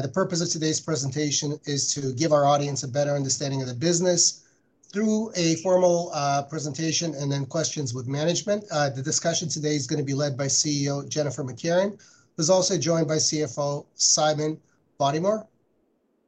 The purpose of today's presentation is to give our audience a better understanding of the business through a formal presentation and then questions with management. The discussion today is going to be led by CEO Jennifer McCarron. She's also joined by CFO Simon Bodymore.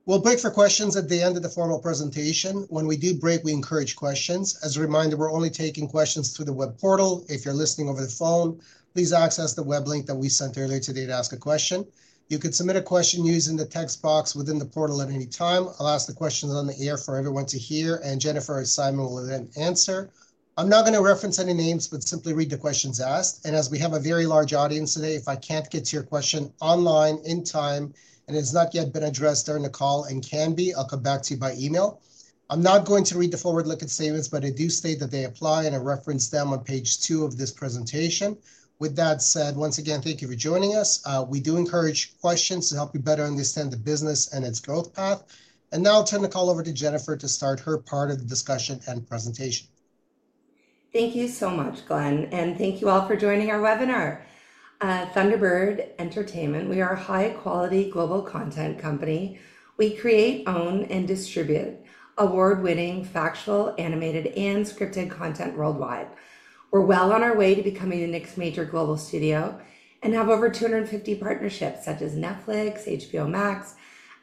We'll break for questions at the end of the formal presentation. When we do break, we encourage questions. As a reminder, we're only taking questions through the web portal. If you're listening over the phone, please access the web link that we sent earlier today to ask a question. You can submit a question using the text box within the portal at any time. I'll ask the questions on the air for everyone to hear, and Jennifer or Simon will then answer. I'm not going to reference any names, but simply read the questions asked. And as we have a very large audience today, if I can't get to your question online in time and it has not yet been addressed during the call and can be, I'll come back to you by email. I'm not going to read the forward-looking statements, but I do state that they apply and I referenced them on page two of this presentation. With that said, once again, thank you for joining us. We do encourage questions to help you better understand the business and its growth path. And now I'll turn the call over to Jennifer to start her part of the discussion and presentation. Thank you so much, Glen, and thank you all for joining our webinar. Thunderbird Entertainment, we are a high-quality global content company. We create, own, and distribute award-winning factual, animated, and scripted content worldwide. We're well on our way to becoming the next major global studio and have over 250 partnerships such as Netflix, HBO Max,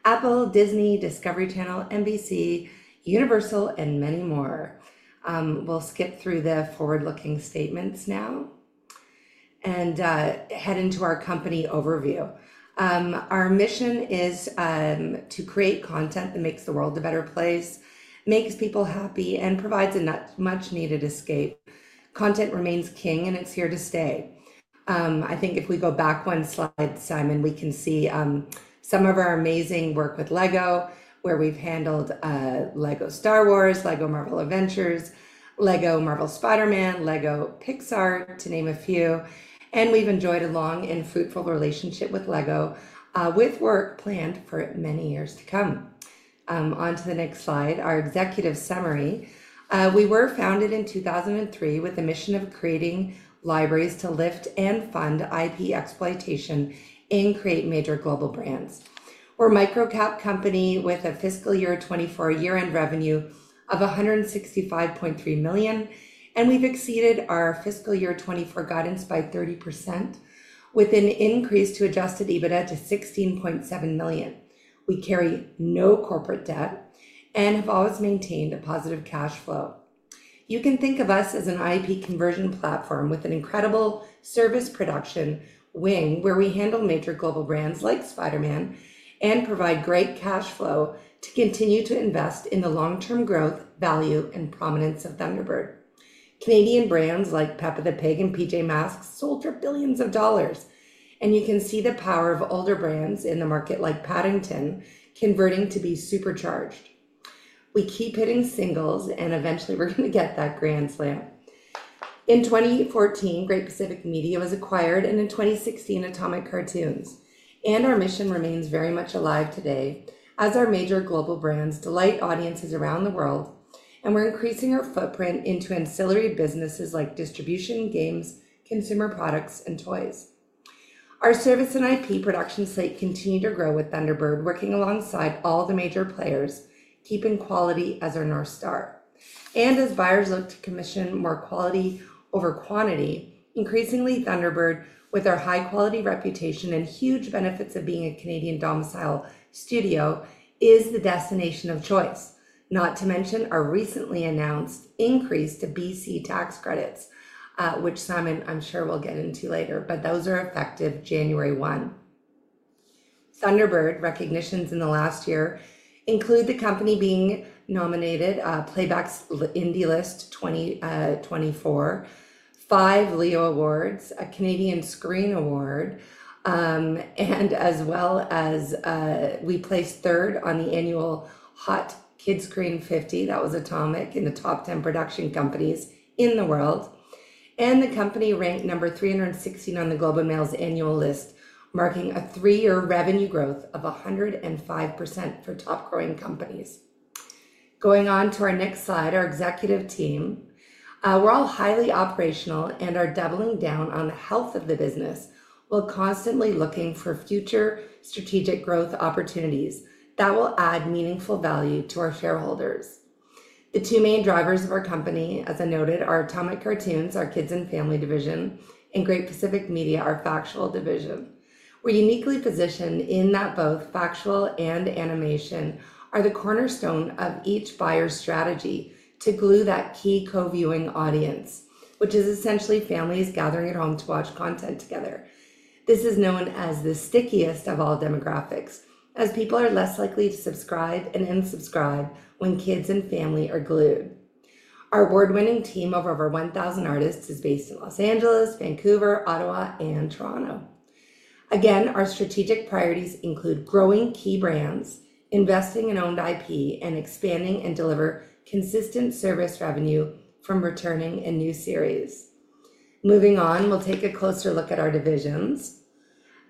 Apple, Disney, Discovery Channel, NBC, Universal, and many more. We'll skip through the forward-looking statements now and head into our company overview. Our mission is to create content that makes the world a better place, makes people happy, and provides a much-needed escape. Content remains king, and it's here to stay. I think if we go back one slide, Simon, we can see some of our amazing work with LEGO, where we've handled LEGO Star Wars, LEGO Marvel Avengers, LEGO Marvel Spider-Man, LEGO Pixar, to name a few. We've enjoyed a long and fruitful relationship with LEGO, with work planned for many years to come. On to the next slide, our executive summary. We were founded in 2003 with the mission of creating libraries to lift and fund IP exploitation and create major global brands. We're a microcap company with a fiscal year 2024 year-end revenue of 165.3 million, and we've exceeded our fiscal year 2024 guidance by 30%, with an increase to Adjusted EBITDA to 16.7 million. We carry no corporate debt and have always maintained a positive cash flow. You can think of us as an IP conversion platform with an incredible service production wing where we handle major global brands like Spider-Man and provide great cash flow to continue to invest in the long-term growth, value, and prominence of Thunderbird. Canadian brands like Peppa Pig and PJ Masks sold for billions of dollars, and you can see the power of older brands in the market like Paddington converting to be supercharged. We keep hitting singles, and eventually we're going to get that grand slam. In 2014, Great Pacific Media was acquired, and in 2016, Atomic Cartoons. Our mission remains very much alive today as our major global brands delight audiences around the world, and we're increasing our footprint into ancillary businesses like distribution, games, consumer products, and toys. Our service and IP production site continue to grow with Thunderbird, working alongside all the major players, keeping quality as our North Star. As buyers look to commission more quality over quantity, increasingly Thunderbird, with our high-quality reputation and huge benefits of being a Canadian domicile studio, is the destination of choice. Not to mention our recently announced increase to BC tax credits, which Simon, I'm sure, will get into later, but those are effective January 1. Thunderbird recognitions in the last year include the company being nominated Playback's Indie List 2024, five Leo Awards, a Canadian Screen Award, and as well as we placed third on the annual Kidscreen Hot 50. That was Atomic in the top 10 production companies in the world. The company ranked number 316 on the Globe and Mail's annual list, marking a three-year revenue growth of 105% for top-growing companies. Going on to our next slide, our executive team. We're all highly operational and are doubling down on the health of the business while constantly looking for future strategic growth opportunities that will add meaningful value to our shareholders. The two main drivers of our company, as I noted, are Atomic Cartoons, our kids and family division, and Great Pacific Media, our factual division. We're uniquely positioned in that both factual and animation are the cornerstone of each buyer's strategy to glue that key co-viewing audience, which is essentially families gathering at home to watch content together. This is known as the stickiest of all demographics, as people are less likely to subscribe and unsubscribe when kids and family are glued. Our award-winning team of over 1,000 artists is based in Los Angeles, Vancouver, Ottawa, and Toronto. Again, our strategic priorities include growing key brands, investing in owned IP, and expanding and delivering consistent service revenue from returning and new series. Moving on, we'll take a closer look at our divisions.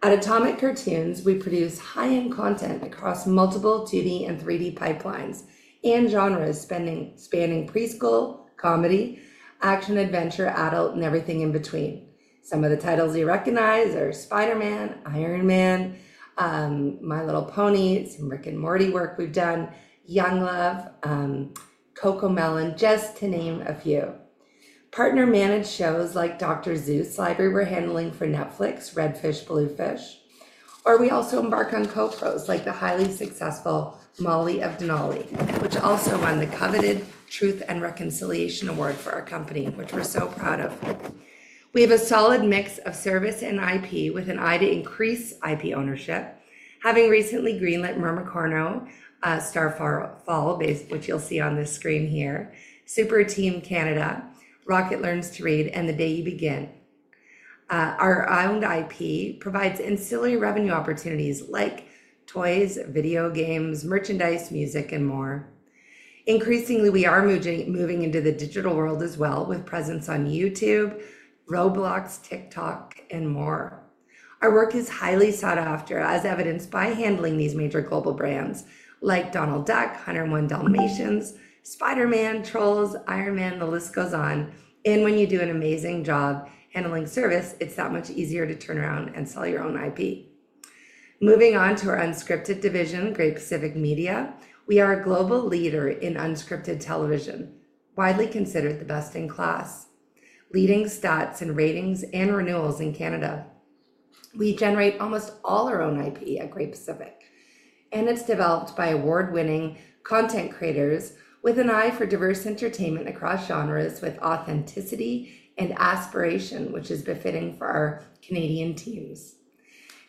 At Atomic Cartoons, we produce high-end content across multiple 2D and 3D pipelines and genres spanning preschool, comedy, action, adventure, adult, and everything in between. Some of the titles you recognize are Spider-Man, Iron Man, My Little Pony, some Rick and Morty work we've done, Young Love, CoComelon, just to name a few. Partner-managed shows like Dr. Seuss Library we're handling for Netflix, Red Fish, Blue Fish. Or we also embark on co-pros like the highly successful Molly of Denali, which also won the coveted Truth and Reconciliation Award for our company, which we're so proud of. We have a solid mix of service and IP with an eye to increase IP ownership, having recently greenlit Mermicorno: Starfall, which you'll see on the screen here, Super Team Canada, Rocket Learns to Read, and The Day You Begin. Our owned IP provides ancillary revenue opportunities like toys, video games, merchandise, music, and more. Increasingly, we are moving into the digital world as well with presence on YouTube, Roblox, TikTok, and more. Our work is highly sought after, as evidenced by handling these major global brands like Donald Duck, 101 Dalmatians, Spider-Man, Trolls, Iron Man, the list goes on. And when you do an amazing job handling service, it's that much easier to turn around and sell your own IP. Moving on to our unscripted division, Great Pacific Media, we are a global leader in unscripted television, widely considered the best in class, leading stats and ratings and renewals in Canada. We generate almost all our own IP at Great Pacific, and it's developed by award-winning content creators with an eye for diverse entertainment across genres with authenticity and aspiration, which is befitting for our Canadian teams.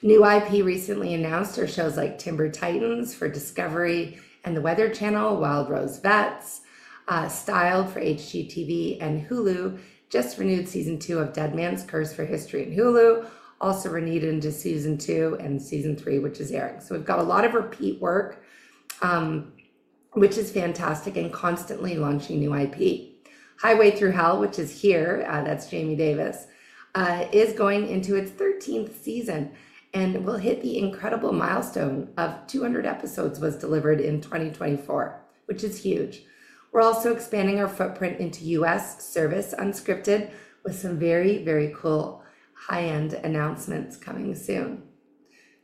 New IP recently announced our shows like Timber Titans for Discovery and The Weather Channel, Wild Rose Vets, Styled for HGTV, and Hulu, just renewed season two of Deadman's Curse for History and Hulu, also renewed into season two and season three, which is airing. So we've got a lot of repeat work, which is fantastic and constantly launching new IP. Highway Thru Hell, which is here, that's Jamie Davis, is going into its 13th season, and we'll hit the incredible milestone of 200 episodes was delivered in 2024, which is huge. We're also expanding our footprint into U.S. service unscripted with some very, very cool high-end announcements coming soon.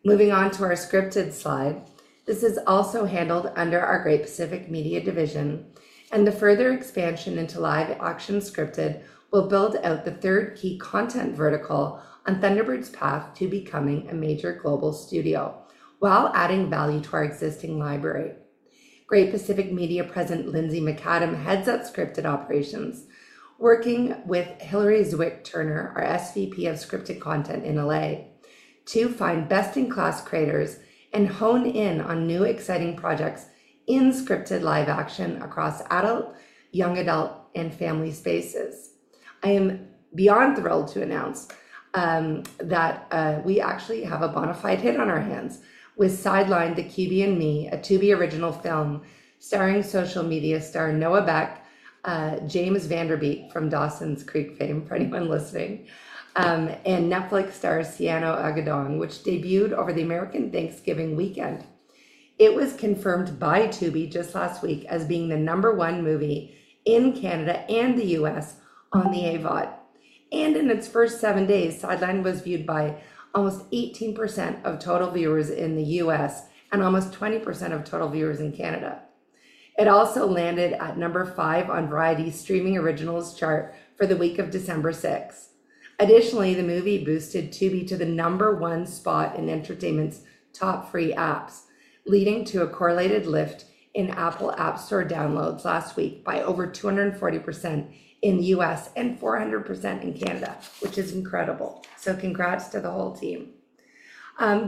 Moving on to our scripted slide, this is also handled under our Great Pacific Media division, and the further expansion into live action scripted will build out the third key content vertical on Thunderbird's path to becoming a major global studio while adding value to our existing library. Great Pacific Media President Lindsay Macadam heads up scripted operations, working with Hillary Zwick Turner, our SVP of scripted content in LA, to find best-in-class creators and hone in on new exciting projects in scripted live action across adult, young adult, and family spaces. I am beyond thrilled to announce that we actually have a bona fide hit on our hands with Sidelines: The QB and Me, a Tubi original film starring social media star Noah Beck, James Van Der Beek from Dawson's Creek fame, for anyone listening, and Netflix star Siena Agudong, which debuted over the American Thanksgiving weekend. It was confirmed by Tubi just last week as being the number one movie in Canada and the U.S. on the AVOD. In its first seven days, Sidelines was viewed by almost 18% of total viewers in the U.S. and almost 20% of total viewers in Canada. It also landed at number five on Variety's streaming originals chart for the week of December 6. Additionally, the movie boosted Tubi to the number one spot in entertainment's top free apps, leading to a correlated lift in Apple App Store downloads last week by over 240% in the U.S. and 400% in Canada, which is incredible. Congrats to the whole team.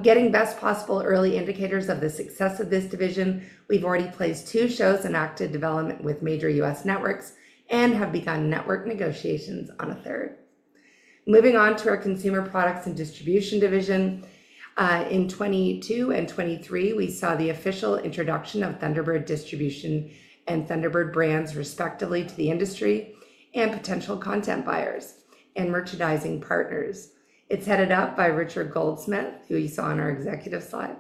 Getting best possible early indicators of the success of this division, we have already placed two shows in active development with major U.S. networks and have begun network negotiations on a third. Moving on to our consumer products and distribution division, in 2022 and 2023, we saw the official introduction of Thunderbird Distribution and Thunderbird Brands respectively to the industry and potential content buyers and merchandising partners. It's headed up by Richard Goldsmith, who you saw on our executive slide,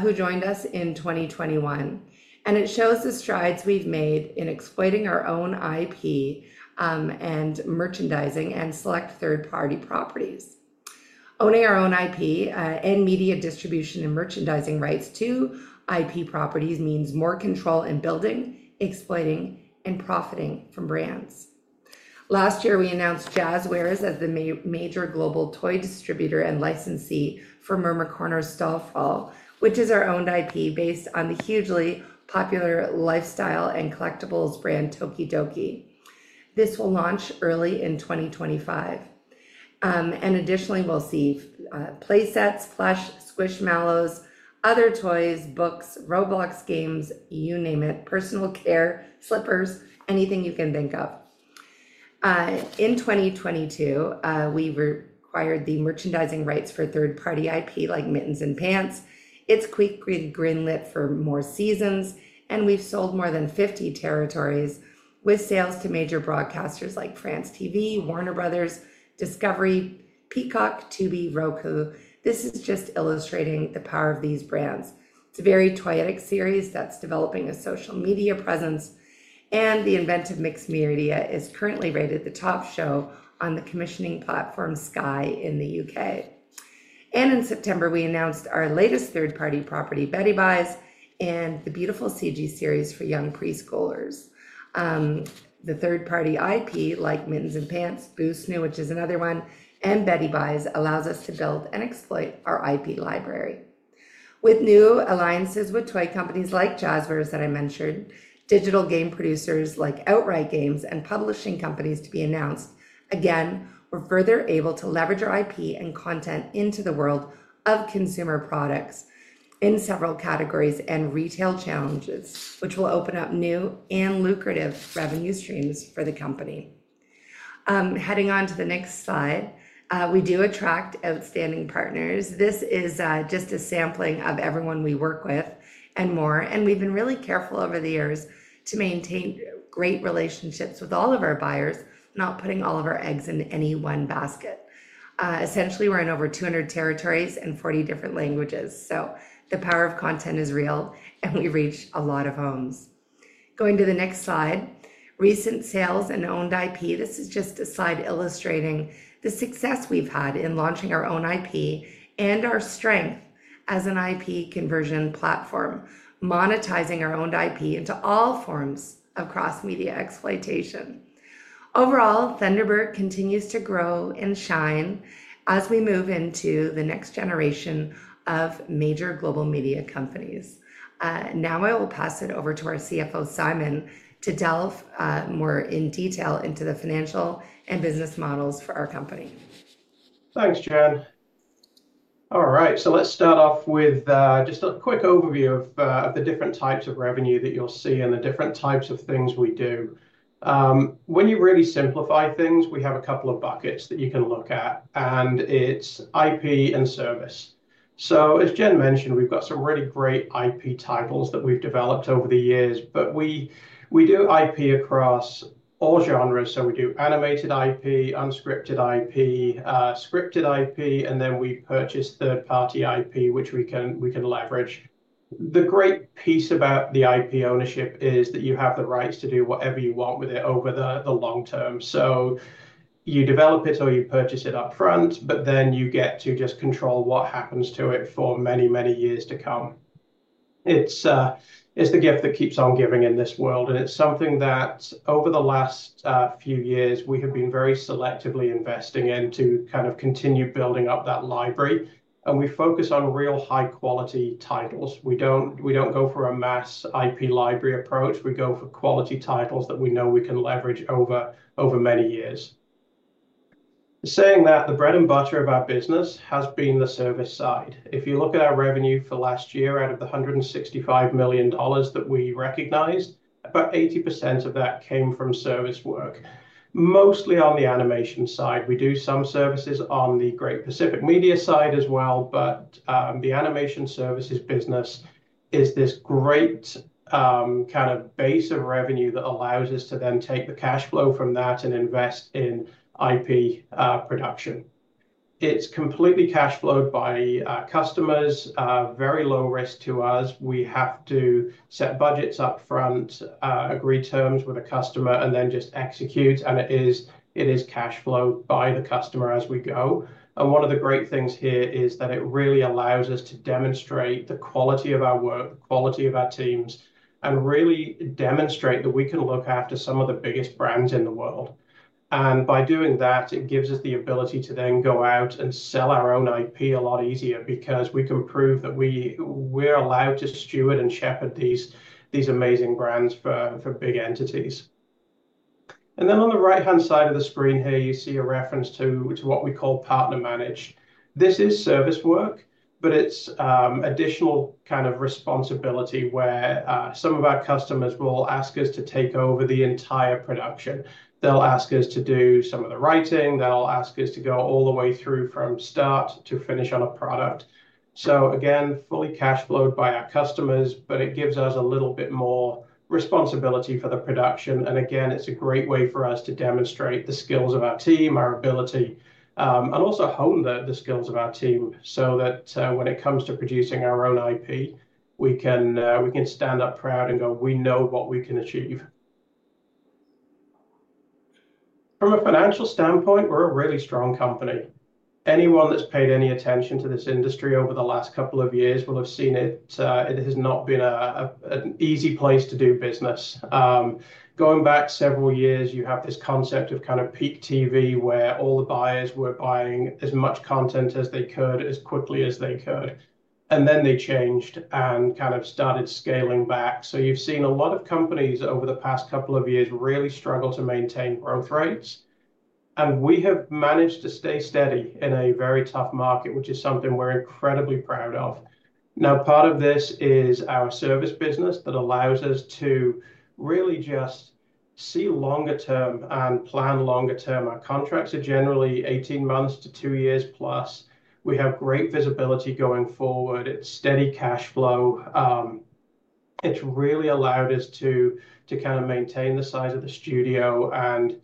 who joined us in 2021. It shows the strides we've made in exploiting our own IP and merchandising and select third-party properties. Owning our own IP and media distribution and merchandising rights to IP properties means more control in building, exploiting, and profiting from brands. Last year, we announced Jazwares as the major global toy distributor and licensee for Mermicorno: Starfall, which is our owned IP based on the hugely popular lifestyle and collectibles brand Tokidoki. This will launch early in 2025. Additionally, we'll see playsets, plush, Squishmallows, other toys, books, Roblox games, you name it, personal care, slippers, anything you can think of. In 2022, we acquired the merchandising rights for third-party IP like Mittens and Pants. It's quickly greenlit for more seasons, and we've sold more than 50 territories with sales to major broadcasters like France TV, Warner Bros., Discovery, Peacock, Tubi, Roku. This is just illustrating the power of these brands. It's a very toyetic series that's developing a social media presence, and the inventive mixed media is currently rated the top show on the commissioning platform Sky in the U.K. In September, we announced our latest third-party property, BeddyByes, and the beautiful CG series for young preschoolers. The third-party IP like Mittens and Pants, BooSnoo, which is another one, and BeddyByes allows us to build and exploit our IP library. With new alliances with toy companies like Jazwares that I mentioned, digital game producers like Outright Games and publishing companies to be announced, again, we're further able to leverage our IP and content into the world of consumer products in several categories and retail channels, which will open up new and lucrative revenue streams for the company. Heading on to the next slide, we do attract outstanding partners. This is just a sampling of everyone we work with and more, and we've been really careful over the years to maintain great relationships with all of our buyers, not putting all of our eggs in any one basket. Essentially, we're in over 200 territories and 40 different languages. The power of content is real, and we reach a lot of homes. Going to the next slide, recent sales and owned IP. This is just a slide illustrating the success we've had in launching our own IP and our strength as an IP conversion platform, monetizing our owned IP into all forms of cross-media exploitation. Overall, Thunderbird continues to grow and shine as we move into the next generation of major global media companies. Now I will pass it over to our CFO, Simon, to delve more in detail into the financial and business models for our company. Thanks, Jen. All right, so let's start off with just a quick overview of the different types of revenue that you'll see and the different types of things we do. When you really simplify things, we have a couple of buckets that you can look at, and it's IP and service. So as Jen mentioned, we've got some really great IP titles that we've developed over the years, but we do IP across all genres. So we do animated IP, unscripted IP, scripted IP, and then we purchase third-party IP, which we can leverage. The great piece about the IP ownership is that you have the rights to do whatever you want with it over the long term. So you develop it or you purchase it upfront, but then you get to just control what happens to it for many, many years to come. It's the gift that keeps on giving in this world, and it's something that over the last few years, we have been very selectively investing in to kind of continue building up that library. And we focus on real high-quality titles. We don't go for a mass IP library approach. We go for quality titles that we know we can leverage over many years. Saying that, the bread and butter of our business has been the service side. If you look at our revenue for last year, out of the 165 million dollars that we recognized, about 80% of that came from service work, mostly on the animation side. We do some services on the Great Pacific Media side as well, but the animation services business is this great kind of base of revenue that allows us to then take the cash flow from that and invest in IP production. It's completely cash flowed by customers, very low risk to us. We have to set budgets upfront, agree terms with a customer, and then just execute, and it is cash flowed by the customer as we go. And one of the great things here is that it really allows us to demonstrate the quality of our work, the quality of our teams, and really demonstrate that we can look after some of the biggest brands in the world. And by doing that, it gives us the ability to then go out and sell our own IP a lot easier because we can prove that we're allowed to steward and shepherd these amazing brands for big entities. And then on the right-hand side of the screen here, you see a reference to what we call partner manage. This is service work, but it's additional kind of responsibility where some of our customers will ask us to take over the entire production. They'll ask us to do some of the writing. They'll ask us to go all the way through from start to finish on a product. So again, fully cash flowed by our customers, but it gives us a little bit more responsibility for the production. And again, it's a great way for us to demonstrate the skills of our team, our ability, and also hone the skills of our team so that when it comes to producing our own IP, we can stand up proud and go, "We know what we can achieve." From a financial standpoint, we're a really strong company. Anyone that's paid any attention to this industry over the last couple of years will have seen it has not been an easy place to do business. Going back several years, you have this concept of kind of Peak TV where all the buyers were buying as much content as they could, as quickly as they could. And then they changed and kind of started scaling back. You've seen a lot of companies over the past couple of years really struggle to maintain growth rates. And we have managed to stay steady in a very tough market, which is something we're incredibly proud of. Now, part of this is our service business that allows us to really just see longer term and plan longer term. Our contracts are generally 18 months to two years plus. We have great visibility going forward. It's steady cash flow. It's really allowed us to kind of maintain the size of the studio and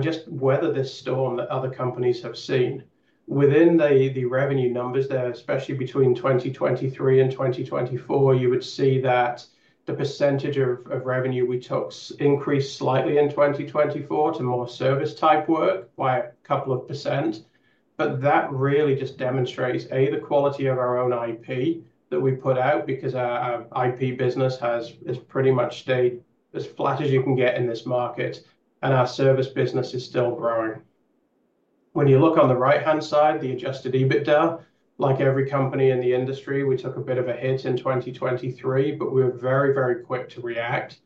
just weather this storm that other companies have seen. Within the revenue numbers there, especially between 2023 and 2024, you would see that the percentage of revenue we took increased slightly in 2024 to more service-type work by a couple of percent. But that really just demonstrates A, the quality of our own IP that we put out because our IP business has pretty much stayed as flat as you can get in this market, and our service business is still growing. When you look on the right-hand side, the Adjusted EBITDA, like every company in the industry, we took a bit of a hit in 2023, but we were very, very quick to react.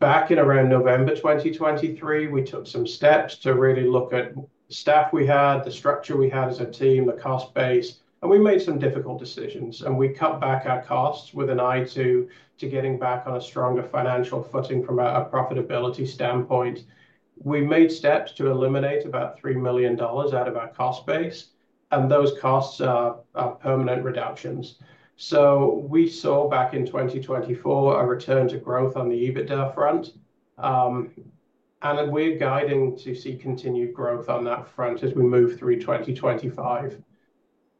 Back in around November 2023, we took some steps to really look at the staff we had, the structure we had as a team, the cost base, and we made some difficult decisions. And we cut back our costs with an eye to getting back on a stronger financial footing from a profitability standpoint. We made steps to eliminate about 3 million dollars out of our cost base, and those costs are permanent reductions. So we saw back in 2024 a return to growth on the EBITDA front, and we're guiding to see continued growth on that front as we move through 2025.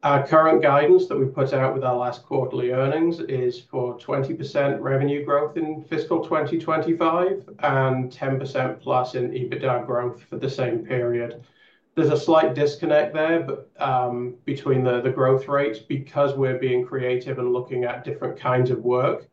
Our current guidance that we put out with our last quarterly earnings is for 20% revenue growth in fiscal 2025 and 10% plus in EBITDA growth for the same period. There's a slight disconnect there between the growth rates because we're being creative and looking at different kinds of work.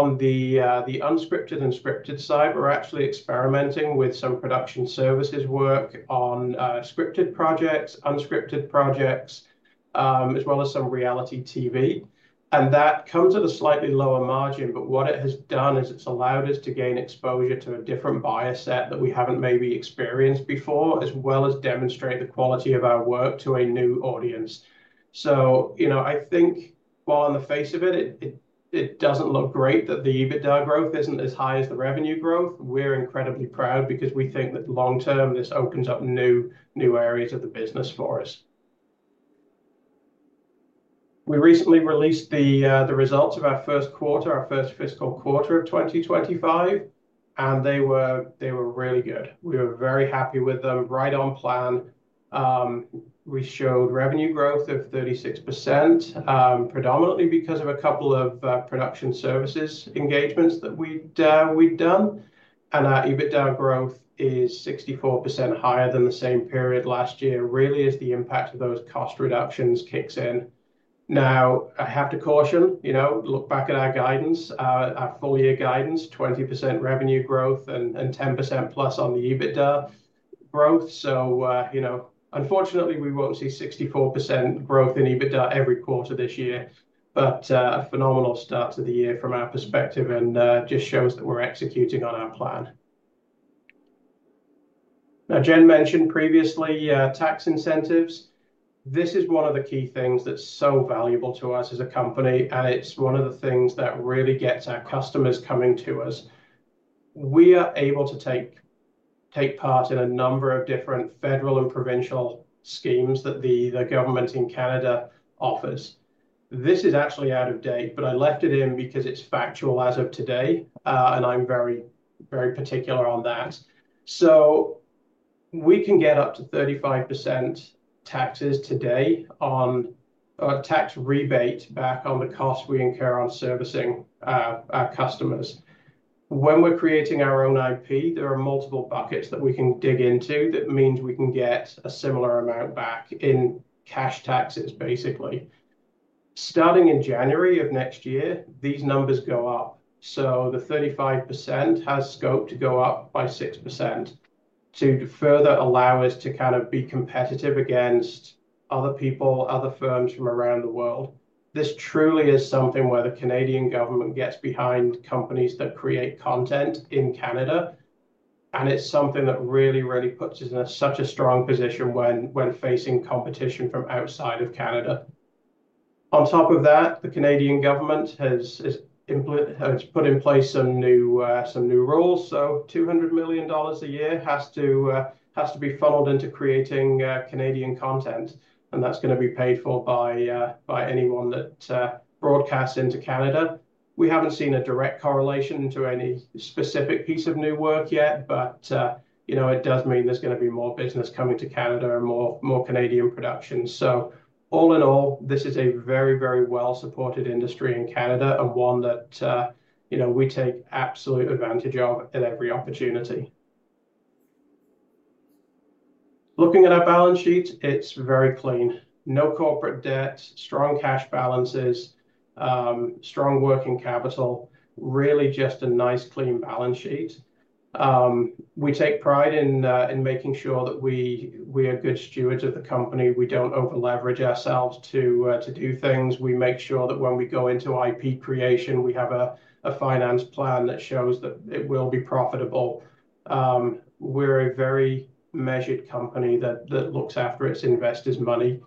On the unscripted and scripted side, we're actually experimenting with some production services work on scripted projects, unscripted projects, as well as some reality TV. And that comes at a slightly lower margin, but what it has done is it's allowed us to gain exposure to a different buyer set that we haven't maybe experienced before, as well as demonstrate the quality of our work to a new audience. So I think, while on the face of it, it doesn't look great that the EBITDA growth isn't as high as the revenue growth, we're incredibly proud because we think that long term, this opens up new areas of the business for us. We recently released the results of our first quarter, our first fiscal quarter of 2025, and they were really good. We were very happy with them, right on plan. We showed revenue growth of 36%, predominantly because of a couple of production services engagements that we'd done. And our EBITDA growth is 64% higher than the same period last year, really as the impact of those cost reductions kicks in. Now, I have to caution, look back at our guidance, our full-year guidance, 20% revenue growth and 10% plus on the EBITDA growth. Unfortunately, we won't see 64% growth in EBITDA every quarter this year, but a phenomenal start to the year from our perspective and just shows that we're executing on our plan. Now, Jen mentioned previously tax incentives. This is one of the key things that's so valuable to us as a company, and it's one of the things that really gets our customers coming to us. We are able to take part in a number of different federal and provincial schemes that the government in Canada offers. This is actually out of date, but I left it in because it's factual as of today, and I'm very particular on that. We can get up to 35% tax rebate today on the cost we incur on servicing our customers. When we're creating our own IP, there are multiple buckets that we can dig into that means we can get a similar amount back in cash taxes, basically. Starting in January of next year, these numbers go up. So the 35% has scope to go up by 6% to further allow us to kind of be competitive against other people, other firms from around the world. This truly is something where the Canadian government gets behind companies that create content in Canada, and it's something that really, really puts us in such a strong position when facing competition from outside of Canada. On top of that, the Canadian government has put in place some new rules. So 200 million dollars a year has to be funneled into creating Canadian content, and that's going to be paid for by anyone that broadcasts into Canada. We haven't seen a direct correlation to any specific piece of new work yet, but it does mean there's going to be more business coming to Canada and more Canadian production. So all in all, this is a very, very well-supported industry in Canada and one that we take absolute advantage of at every opportunity. Looking at our balance sheet, it's very clean. No corporate debt, strong cash balances, strong working capital, really just a nice clean balance sheet. We take pride in making sure that we are good stewards of the company. We don't over-leverage ourselves to do things. We make sure that when we go into IP creation, we have a finance plan that shows that it will be profitable. We're a very measured company that looks after its investors' money.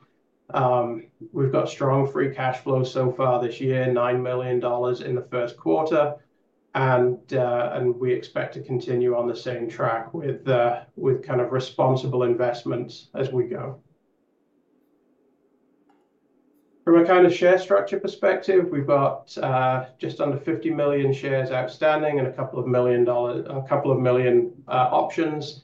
We've got strong free cash flow so far this year, 9 million dollars in the first quarter, and we expect to continue on the same track with kind of responsible investments as we go. From a kind of share structure perspective, we've got just under 50 million shares outstanding and a couple of million options.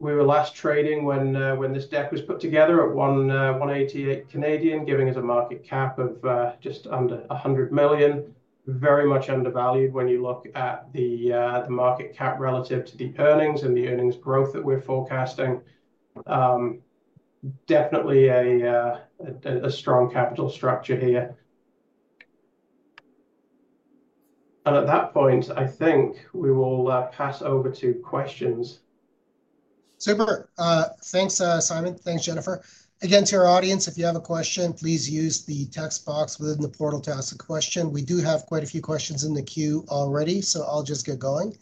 We were last trading when this deck was put together at 1.88, giving us a market cap of just under 100 million, very much undervalued when you look at the market cap relative to the earnings and the earnings growth that we're forecasting. Definitely a strong capital structure here, and at that point, I think we will pass over to questions. Super. Thanks, Simon. Thanks, Jennifer. Again, to our audience, if you have a question, please use the text box within the portal to ask a question. We do have quite a few questions in the queue already, so I'll just get going.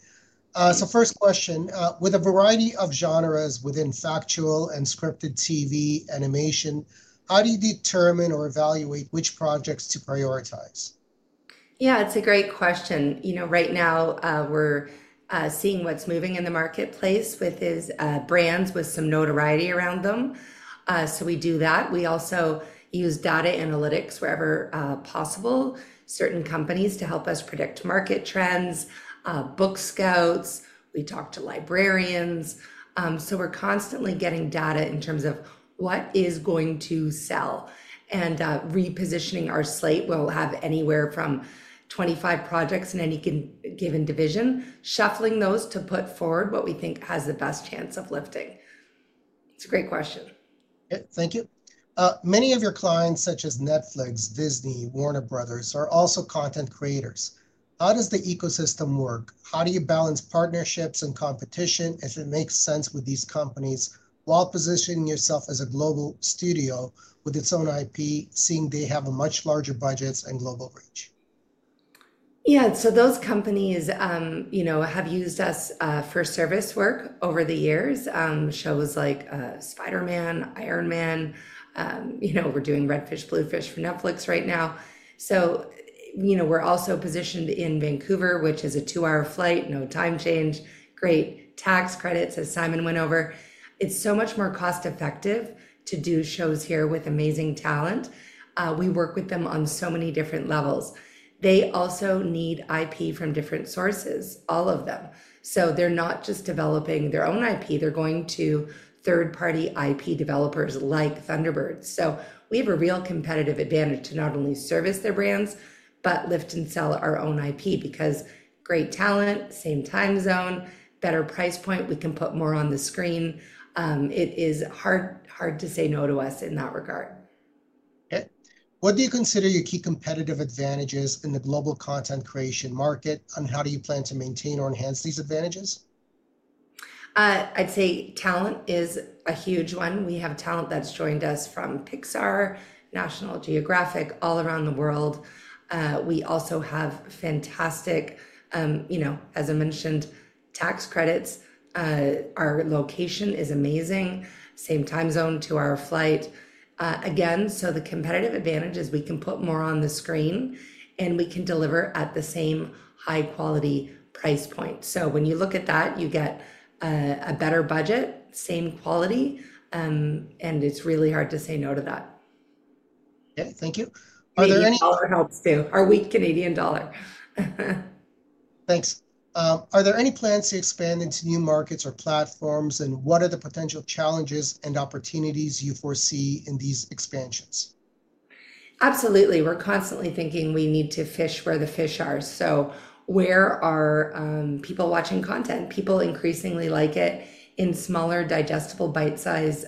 So first question, with a variety of genres within factual and scripted TV animation, how do you determine or evaluate which projects to prioritize? Yeah, it's a great question. Right now, we're seeing what's moving in the marketplace with these brands with some notoriety around them. So we do that. We also use data analytics wherever possible, certain companies to help us predict market trends, book scouts. We talk to librarians. So we're constantly getting data in terms of what is going to sell and repositioning our slate. We'll have anywhere from 25 projects in any given division, shuffling those to put forward what we think has the best chance of lifting. It's a great question. Thank you. Many of your clients, such as Netflix, Disney, Warner Bros., are also content creators. How does the ecosystem work? How do you balance partnerships and competition if it makes sense with these companies while positioning yourself as a global studio with its own IP, seeing they have much larger budgets and global reach? Yeah. So those companies have used us for service work over the years, shows like Spider-Man, Iron Man. We're doing Red Fish, Blue Fish for Netflix right now. So we're also positioned in Vancouver, which is a two-hour flight, no time change, great tax credits, as Simon went over. It's so much more cost-effective to do shows here with amazing talent. We work with them on so many different levels. They also need IP from different sources, all of them. So they're not just developing their own IP. They're going to third-party IP developers like Thunderbird. So we have a real competitive advantage to not only service their brands, but lift and sell our own IP because great talent, same time zone, better price point, we can put more on the screen. It is hard to say no to us in that regard. What do you consider your key competitive advantages in the global content creation market, and how do you plan to maintain or enhance these advantages? I'd say talent is a huge one. We have talent that's joined us from Pixar, National Geographic, all around the world. We also have fantastic, as I mentioned, tax credits. Our location is amazing, same time zone as our clients. Again, so the competitive advantage is we can put more on the screen, and we can deliver at the same high-quality price point. So when you look at that, you get a better budget, same quality, and it's really hard to say no to that. Thank you. Are there any? Dollar helps too. Our weak Canadian dollar. Thanks. Are there any plans to expand into new markets or platforms, and what are the potential challenges and opportunities you foresee in these expansions? Absolutely. We're constantly thinking we need to fish where the fish are. So where are people watching content? People increasingly like it in smaller, digestible bite-sized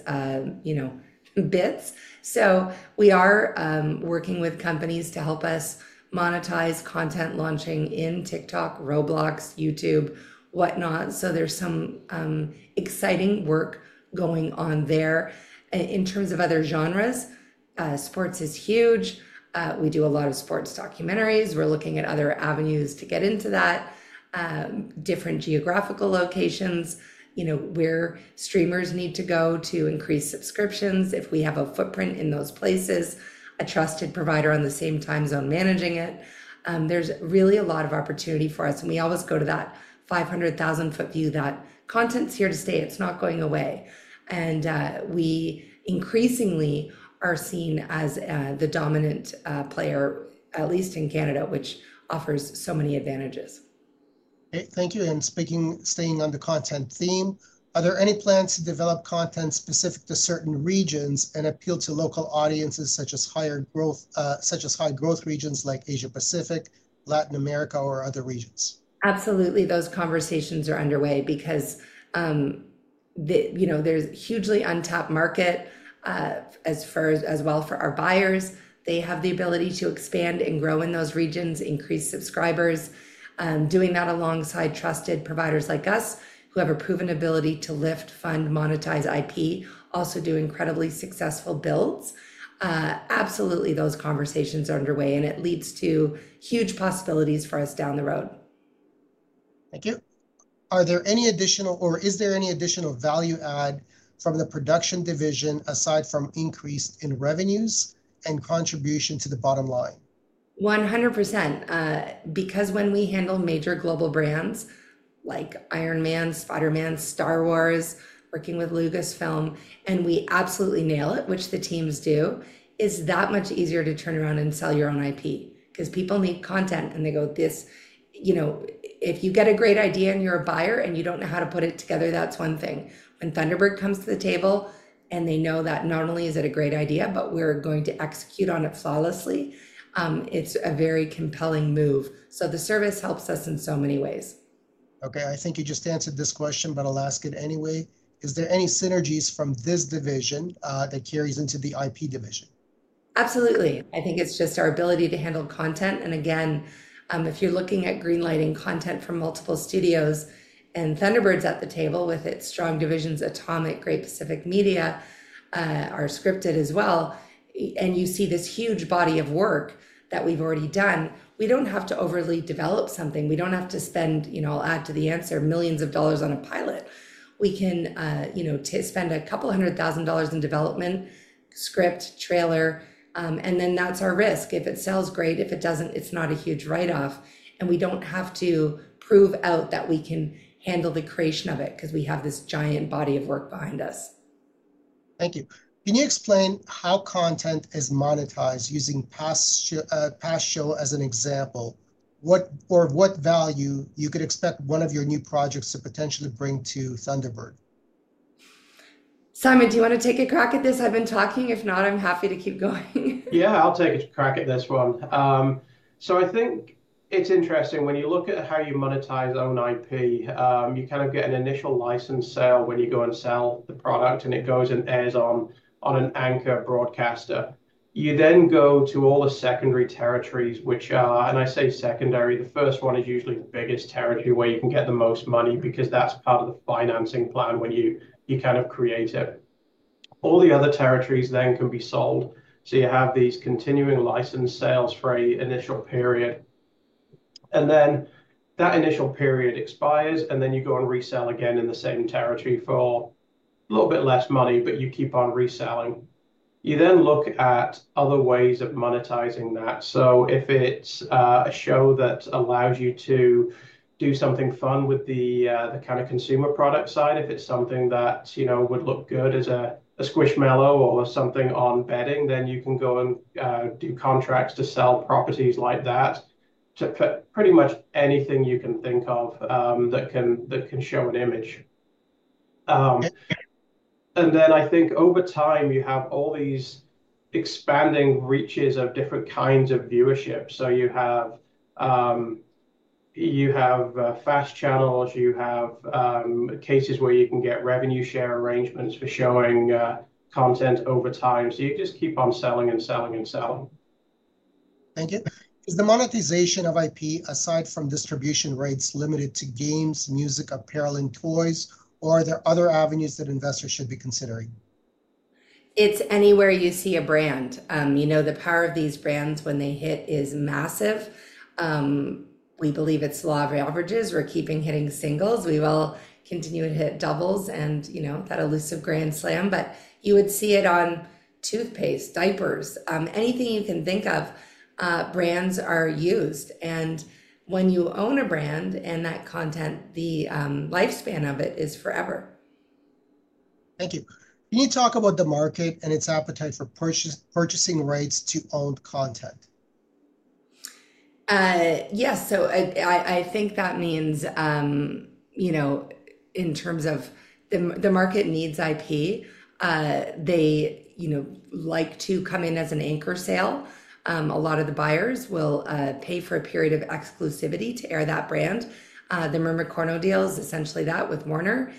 bits. So we are working with companies to help us monetize content launching in TikTok, Roblox, YouTube, whatnot. So there's some exciting work going on there. In terms of other genres, sports is huge. We do a lot of sports documentaries. We're looking at other avenues to get into that, different geographical locations, where streamers need to go to increase subscriptions if we have a footprint in those places, a trusted provider on the same time zone managing it. There's really a lot of opportunity for us, and we always go to that 500,000-foot view that content's here to stay. It's not going away, and we increasingly are seen as the dominant player, at least in Canada, which offers so many advantages. Thank you. And staying on the content theme, are there any plans to develop content specific to certain regions and appeal to local audiences such as higher growth regions like Asia-Pacific, Latin America, or other regions? Absolutely. Those conversations are underway because there's hugely untapped market as well for our buyers. They have the ability to expand and grow in those regions, increase subscribers, doing that alongside trusted providers like us who have a proven ability to lift, fund, monetize IP, also do incredibly successful builds. Absolutely, those conversations are underway, and it leads to huge possibilities for us down the road. Thank you. Are there any additional, or is there any additional value add from the production division aside from increase in revenues and contribution to the bottom line? 100%. Because when we handle major global brands like Iron Man, Spider-Man, Star Wars, working with Lucasfilm, and we absolutely nail it, which the teams do, it's that much easier to turn around and sell your own IP because people need content and they go, "This." If you get a great idea and you're a buyer and you don't know how to put it together, that's one thing. When Thunderbird comes to the table and they know that not only is it a great idea, but we're going to execute on it flawlessly, it's a very compelling move. So the service helps us in so many ways. Okay. I think you just answered this question, but I'll ask it anyway. Is there any synergies from this division that carries into the IP division? Absolutely. I think it's just our ability to handle content. And again, if you're looking at greenlighting content from multiple studios, and Thunderbird's at the table with its strong divisions, Atomic, Great Pacific Media, are scripted as well, and you see this huge body of work that we've already done, we don't have to overly develop something. We don't have to spend. I'll add to the answer, millions of dollars on a pilot. We can spend $200,000 in development, script, trailer, and then that's our risk. If it sells, great. If it doesn't, it's not a huge write-off. And we don't have to prove out that we can handle the creation of it because we have this giant body of work behind us. Thank you. Can you explain how content is monetized using past show as an example or what value you could expect one of your new projects to potentially bring to Thunderbird? Simon, do you want to take a crack at this? I've been talking. If not, I'm happy to keep going. Yeah, I'll take a crack at this one. So I think it's interesting when you look at how you monetize own IP. You kind of get an initial license sale when you go and sell the product, and it goes and airs on an anchor broadcaster. You then go to all the secondary territories, which are, and I say secondary, the first one is usually the biggest territory where you can get the most money because that's part of the financing plan when you kind of create it. All the other territories then can be sold. So you have these continuing license sales for an initial period. And then that initial period expires, and then you go and resell again in the same territory for a little bit less money, but you keep on reselling. You then look at other ways of monetizing that. If it's a show that allows you to do something fun with the kind of consumer product side, if it's something that would look good as a Squishmallow or something on bedding, then you can go and do contracts to sell properties like that to pretty much anything you can think of that can show an image. And then I think over time, you have all these expanding reaches of different kinds of viewership. You have FAST channels. You have cases where you can get revenue share arrangements for showing content over time. You just keep on selling and selling and selling. Thank you. Is the monetization of IP, aside from distribution rates, limited to games, music, apparel, and toys, or are there other avenues that investors should be considering? It's anywhere you see a brand. The power of these brands when they hit is massive. We believe it's law of averages. We're keeping hitting singles. We will continue to hit doubles and that elusive grand slam. But you would see it on toothpaste, diapers, anything you can think of, brands are used. And when you own a brand and that content, the lifespan of it is forever. Thank you. Can you talk about the market and its appetite for purchasing rights to owned content? Yes. So I think that means in terms of the market needs IP. They like to come in as an anchor sale. A lot of the buyers will pay for a period of exclusivity to air that brand. The Mermicorno deal is essentially that with Warner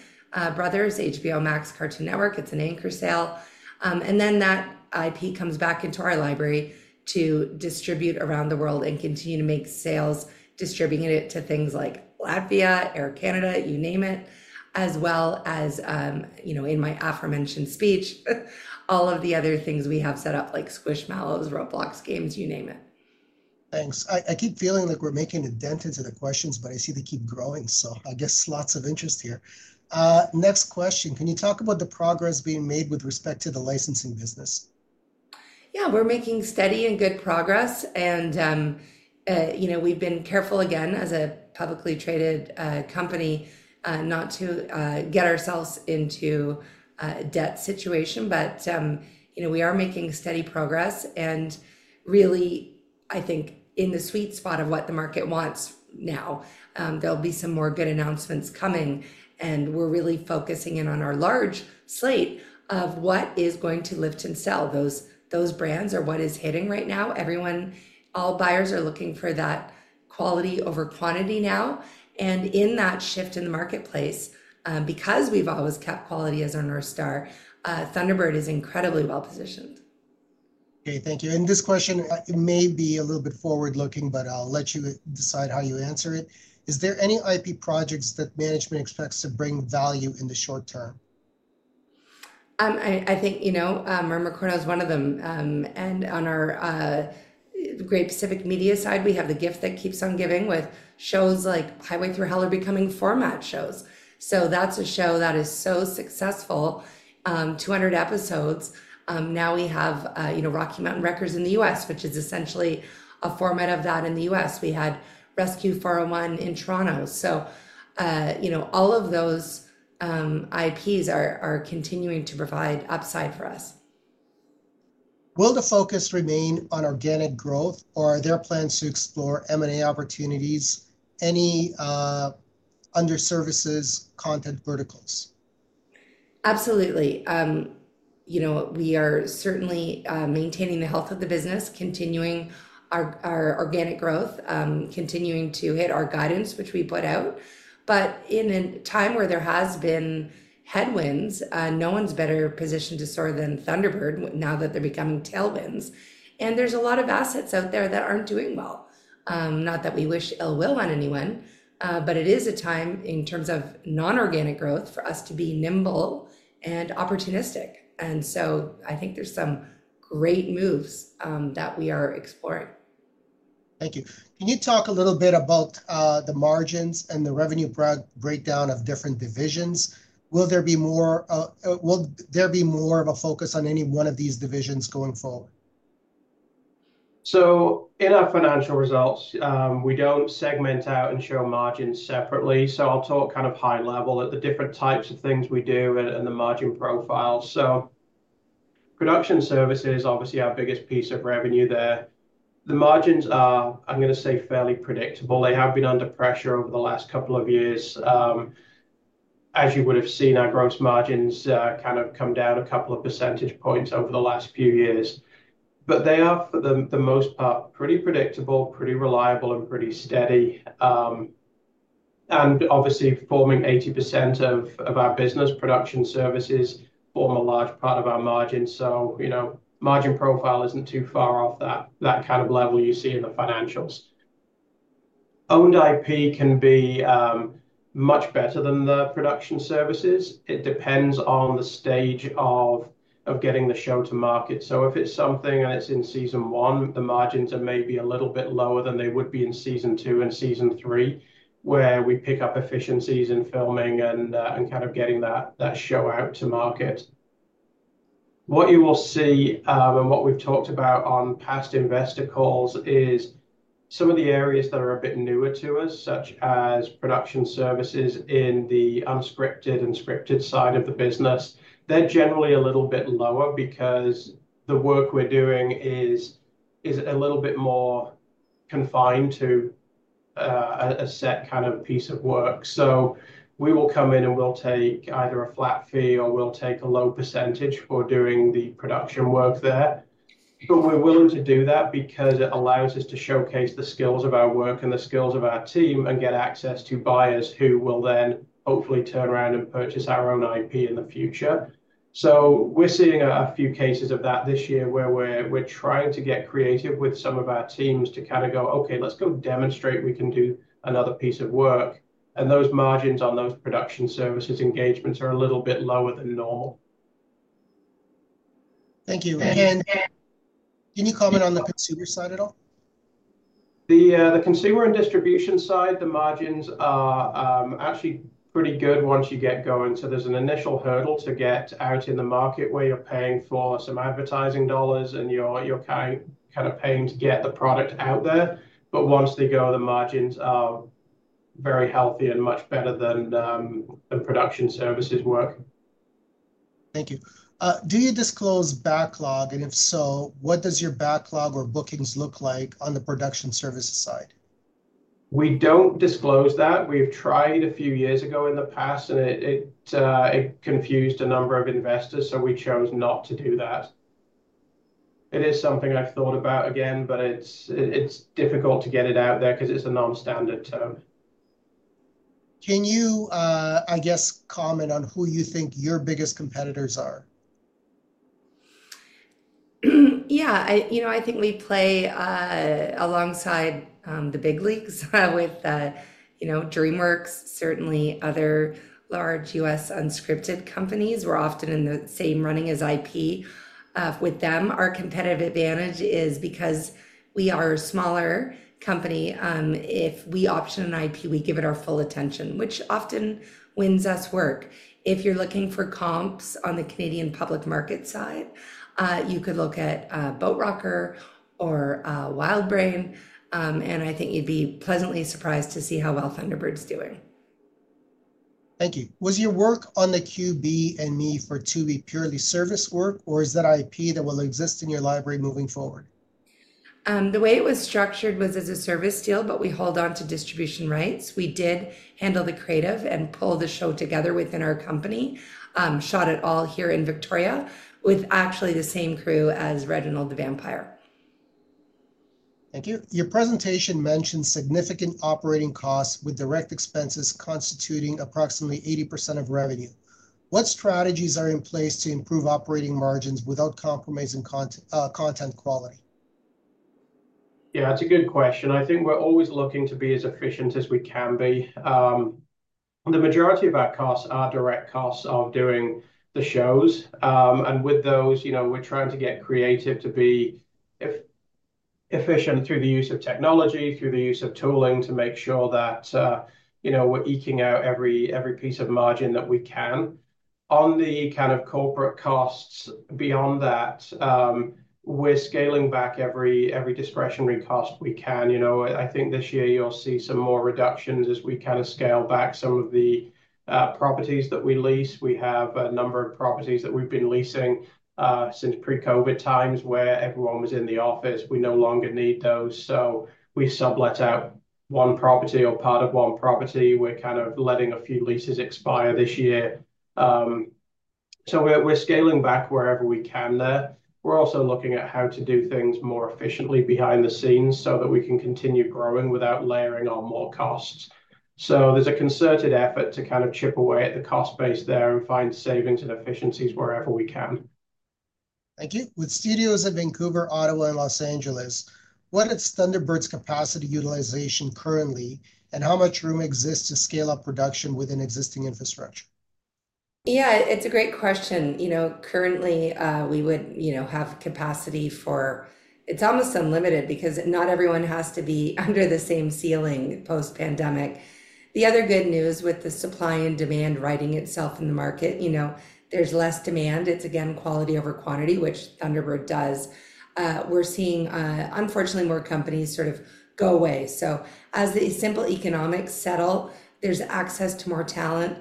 Bros., HBO Max, Cartoon Network. It's an anchor sale. And then that IP comes back into our library to distribute around the world and continue to make sales, distributing it to things like Latvia, Air Canada, you name it, as well as in my aforementioned speech, all of the other things we have set up like Squishmallows, Roblox games, you name it. Thanks. I keep feeling like we're making a dent into the questions, but I see they keep growing, so I guess lots of interest here. Next question. Can you talk about the progress being made with respect to the licensing business? Yeah. We're making steady and good progress. And we've been careful again as a publicly traded company not to get ourselves into a debt situation, but we are making steady progress. And really, I think in the sweet spot of what the market wants now, there'll be some more good announcements coming. And we're really focusing in on our large slate of what is going to lift and sell those brands or what is hitting right now. All buyers are looking for that quality over quantity now. And in that shift in the marketplace, because we've always kept quality as our North Star, Thunderbird is incredibly well positioned. Okay. Thank you. And this question may be a little bit forward-looking, but I'll let you decide how you answer it. Is there any IP projects that management expects to bring value in the short term? I think Mermicorno is one of them. And on our Great Pacific Media side, we have the gift that keeps on giving with shows like Highway Thru Hell are becoming format shows. So that's a show that is so successful, 200 episodes. Now we have Rocky Mountain Wreckers in the U.S., which is essentially a format of that in the U.S. We had Rescue 401 in Toronto. So all of those IPs are continuing to provide upside for us. Will the focus remain on organic growth, or are there plans to explore M&A opportunities, any underserved content verticals? Absolutely. We are certainly maintaining the health of the business, continuing our organic growth, continuing to hit our guidance, which we put out. But in a time where there has been headwinds, no one's better positioned to soar than Thunderbird now that they're becoming tailwinds. And there's a lot of assets out there that aren't doing well. Not that we wish ill will on anyone, but it is a time in terms of non-organic growth for us to be nimble and opportunistic. And so I think there's some great moves that we are exploring. Thank you. Can you talk a little bit about the margins and the revenue breakdown of different divisions? Will there be more of a focus on any one of these divisions going forward? In our financial results, we don't segment out and show margins separately. So I'll talk kind of high level at the different types of things we do and the margin profiles. Production services is obviously our biggest piece of revenue there. The margins are, I'm going to say, fairly predictable. They have been under pressure over the last couple of years. As you would have seen, our gross margins kind of come down a couple of percentage points over the last few years. But they are, for the most part, pretty predictable, pretty reliable, and pretty steady. And obviously, forming 80% of our business, production services form a large part of our margin. So margin profile isn't too far off that kind of level you see in the financials. Owned IP can be much better than the production services. It depends on the stage of getting the show to market, so if it's something and it's in season one, the margins are maybe a little bit lower than they would be in season two and season three, where we pick up efficiencies in filming and kind of getting that show out to market. What you will see and what we've talked about on past investor calls is some of the areas that are a bit newer to us, such as production services in the unscripted and scripted side of the business. They're generally a little bit lower because the work we're doing is a little bit more confined to a set kind of piece of work, so we will come in and we'll take either a flat fee or we'll take a low percentage for doing the production work there. But we're willing to do that because it allows us to showcase the skills of our work and the skills of our team and get access to buyers who will then hopefully turn around and purchase our own IP in the future. So we're seeing a few cases of that this year where we're trying to get creative with some of our teams to kind of go, "Okay, let's go demonstrate we can do another piece of work." And those margins on those production services engagements are a little bit lower than normal. Thank you. And can you comment on the consumer side at all? The consumer and distribution side, the margins are actually pretty good once you get going, so there's an initial hurdle to get out in the market where you're paying for some advertising dollars and you're kind of paying to get the product out there, but once they go, the margins are very healthy and much better than production services work. Thank you. Do you disclose backlog? And if so, what does your backlog or bookings look like on the production service side? We don't disclose that. We've tried a few years ago in the past, and it confused a number of investors, so we chose not to do that. It is something I've thought about again, but it's difficult to get it out there because it's a non-standard term. Can you, I guess, comment on who you think your biggest competitors are? Yeah. I think we play alongside the big leagues with DreamWorks, certainly other large U.S. unscripted companies. We're often in the same running as IP. With them, our competitive advantage is because we are a smaller company. If we option an IP, we give it our full attention, which often wins us work. If you're looking for comps on the Canadian public market side, you could look at Boat Rocker or WildBrain, and I think you'd be pleasantly surprised to see how well Thunderbird's doing. Thank you. Was your work on the QB and Me for Tubi purely service work, or is that IP that will exist in your library moving forward? The way it was structured was as a service deal, but we hold on to distribution rights. We did handle the creative and pull the show together within our company, shot it all here in Victoria with actually the same crew as Reginald the Vampire. Thank you. Your presentation mentioned significant operating costs with direct expenses constituting approximately 80% of revenue. What strategies are in place to improve operating margins without compromising content quality? Yeah, that's a good question. I think we're always looking to be as efficient as we can be. The majority of our costs are direct costs of doing the shows. And with those, we're trying to get creative to be efficient through the use of technology, through the use of tooling to make sure that we're eking out every piece of margin that we can. On the kind of corporate costs, beyond that, we're scaling back every discretionary cost we can. I think this year you'll see some more reductions as we kind of scale back some of the properties that we lease. We have a number of properties that we've been leasing since pre-COVID times where everyone was in the office. We no longer need those. So we sublet out one property or part of one property. We're kind of letting a few leases expire this year. So we're scaling back wherever we can there. We're also looking at how to do things more efficiently behind the scenes so that we can continue growing without layering on more costs. So there's a concerted effort to kind of chip away at the cost base there and find savings and efficiencies wherever we can. Thank you. With studios in Vancouver, Ottawa, and Los Angeles, what is Thunderbird's capacity utilization currently, and how much room exists to scale up production within existing infrastructure? Yeah, it's a great question. Currently, we would have capacity for; it's almost unlimited because not everyone has to be under the same ceiling post-pandemic. The other good news, with the supply and demand righting itself in the market, there's less demand. It's again, quality over quantity, which Thunderbird does. We're seeing, unfortunately, more companies sort of go away. So as the simple economics settle, there's access to more talent,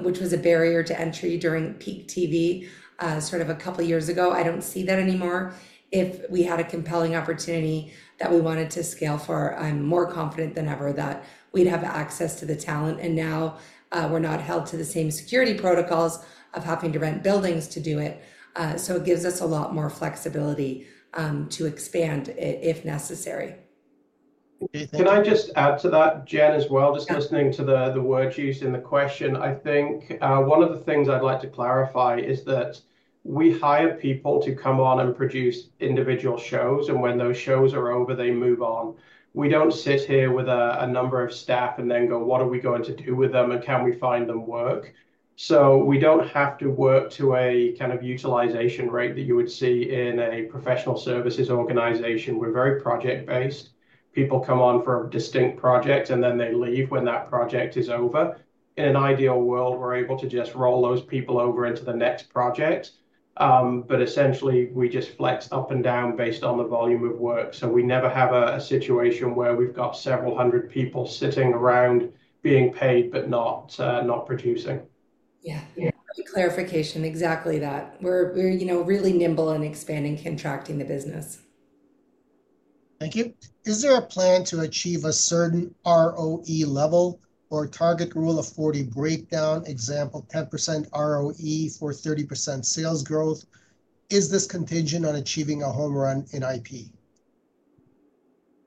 which was a barrier to entry during Peak TV sort of a couple of years ago. I don't see that anymore. If we had a compelling opportunity that we wanted to scale for, I'm more confident than ever that we'd have access to the talent. And now we're not held to the same security protocols of having to rent buildings to do it. So it gives us a lot more flexibility to expand if necessary. Can I just add to that, Jen, as well? Just listening to the words used in the question, I think one of the things I'd like to clarify is that we hire people to come on and produce individual shows. And when those shows are over, they move on. We don't sit here with a number of staff and then go, "What are we going to do with them? And can we find them work?" So we don't have to work to a kind of utilization rate that you would see in a professional services organization. We're very project-based. People come on for a distinct project, and then they leave when that project is over. In an ideal world, we're able to just roll those people over into the next project. But essentially, we just flex up and down based on the volume of work. So we never have a situation where we've got several hundred people sitting around being paid but not producing. Yeah. Clarification, exactly that. We're really nimble and expanding, contracting the business. Thank you. Is there a plan to achieve a certain ROE level or target Rule of 40 breakdown, example, 10% ROE for 30% sales growth? Is this contingent on achieving a home run in IP?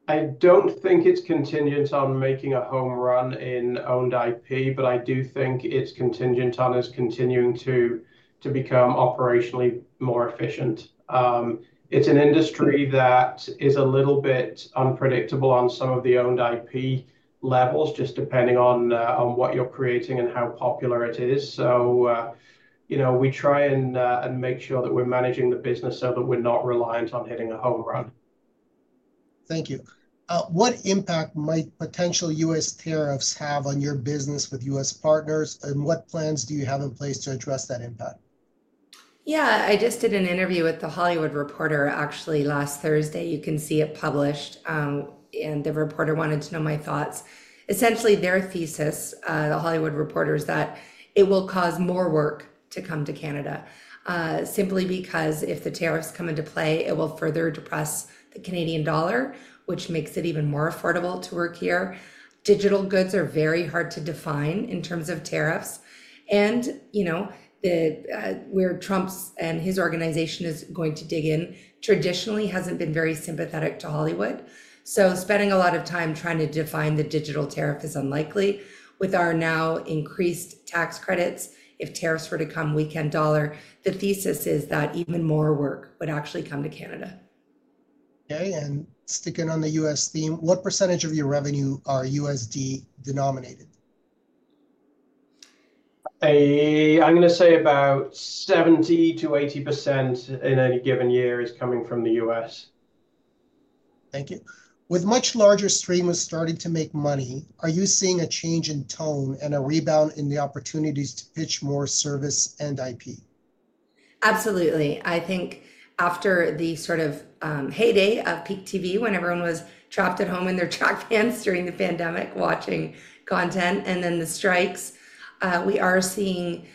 I don't think it's contingent on making a home run in owned IP, but I do think it's contingent on us continuing to become operationally more efficient. It's an industry that is a little bit unpredictable on some of the owned IP levels, just depending on what you're creating and how popular it is. So we try and make sure that we're managing the business so that we're not reliant on hitting a home run. Thank you. What impact might potential U.S. tariffs have on your business with U.S. partners? And what plans do you have in place to address that impact? Yeah. I just did an interview with The Hollywood Reporter, actually, last Thursday. You can see it published, and The Reporter wanted to know my thoughts. Essentially, their thesis, The Hollywood Reporter, is that it will cause more work to come to Canada simply because if the tariffs come into play, it will further depress the Canadian dollar, which makes it even more affordable to work here. Digital goods are very hard to define in terms of tariffs, and where Trump and his organization is going to dig in traditionally hasn't been very sympathetic to Hollywood, so spending a lot of time trying to define the digital tariff is unlikely. With our now increased tax credits, if tariffs were to come, weakened dollar. The thesis is that even more work would actually come to Canada. Okay. And sticking on the U.S. theme, what % of your revenue are USD denominated? I'm going to say about 70%-80% in any given year is coming from the U.S. Thank you. With much larger streams starting to make money, are you seeing a change in tone and a rebound in the opportunities to pitch more service and IP? Absolutely. I think after the sort of heyday of Peak TV, when everyone was trapped at home in their track pants during the pandemic watching content and then the strikes, we are seeing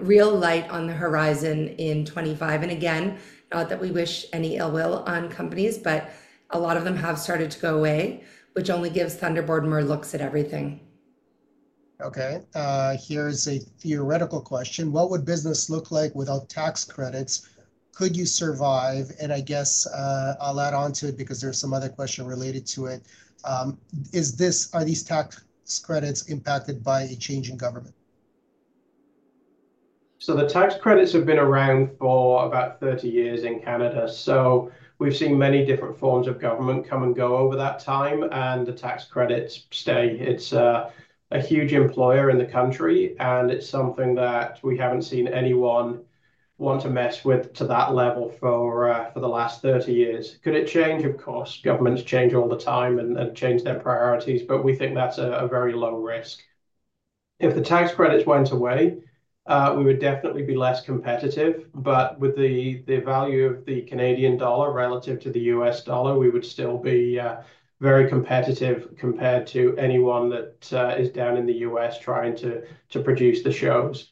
real light on the horizon in 2025, and again, not that we wish any ill will on companies, but a lot of them have started to go away, which only gives Thunderbird more looks at everything. Okay. Here's a theoretical question. What would business look like without tax credits? Could you survive? And I guess I'll add on to it because there's some other question related to it. Are these tax credits impacted by a change in government? So the tax credits have been around for about 30 years in Canada. So we've seen many different forms of government come and go over that time. And the tax credits stay. It's a huge employer in the country. And it's something that we haven't seen anyone want to mess with to that level for the last 30 years. Could it change? Of course. Governments change all the time and change their priorities, but we think that's a very low risk. If the tax credits went away, we would definitely be less competitive. But with the value of the Canadian dollar relative to the U.S. dollar, we would still be very competitive compared to anyone that is down in the U.S. trying to produce the shows.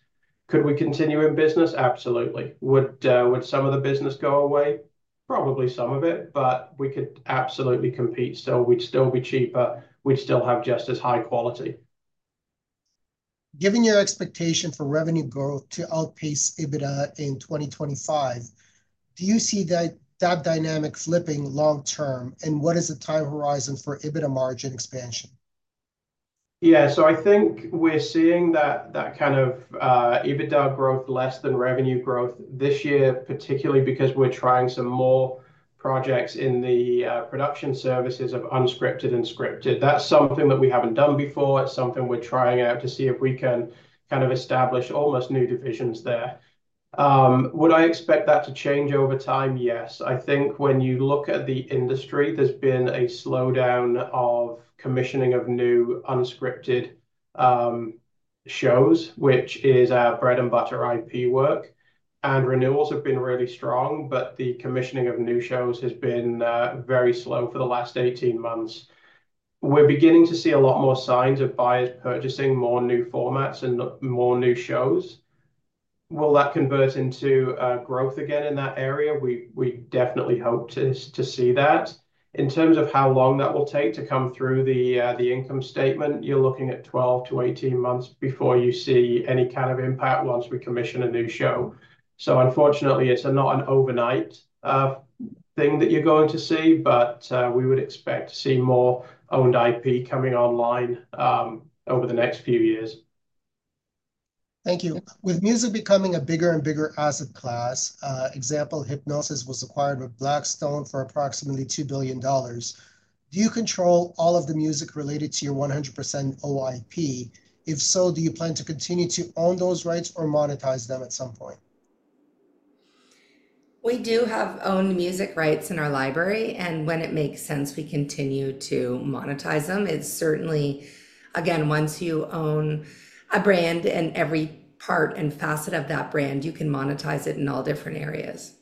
Could we continue in business? Absolutely. Would some of the business go away? Probably some of it, but we could absolutely compete still. We'd still be cheaper. We'd still have just as high quality. Given your expectation for revenue growth to outpace EBITDA in 2025, do you see that dynamic flipping long-term? And what is the time horizon for EBITDA margin expansion? Yeah, so I think we're seeing that kind of EBITDA growth less than revenue growth this year, particularly because we're trying some more projects in the production services of unscripted and scripted. That's something that we haven't done before. It's something we're trying out to see if we can kind of establish almost new divisions there. Would I expect that to change over time? Yes. I think when you look at the industry, there's been a slowdown of commissioning of new unscripted shows, which is our bread-and-butter IP work. And renewals have been really strong, but the commissioning of new shows has been very slow for the last 18 months. We're beginning to see a lot more signs of buyers purchasing more new formats and more new shows. Will that convert into growth again in that area? We definitely hope to see that. In terms of how long that will take to come through the income statement, you're looking at 12-18 months before you see any kind of impact once we commission a new show. So unfortunately, it's not an overnight thing that you're going to see, but we would expect to see more owned IP coming online over the next few years. Thank you. With music becoming a bigger and bigger asset class, example, Hipgnosis was acquired by Blackstone for approximately $2 billion. Do you control all of the music related to your 100% owned IP? If so, do you plan to continue to own those rights or monetize them at some point? We do have owned music rights in our library. And when it makes sense, we continue to monetize them. Again, once you own a brand and every part and facet of that brand, you can monetize it in all different areas.